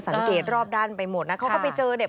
รอบด้านไปหมดนะเขาก็ไปเจอเนี่ย